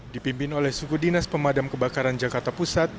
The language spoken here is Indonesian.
dipimpin oleh suku dinas pemadam kebakaran jakarta pusat